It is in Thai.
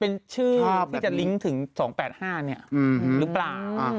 เป็นชื่อที่จะลิงก์ถึง๒๘๕หรือเปล่า